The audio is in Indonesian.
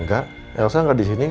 enggak elsa enggak disini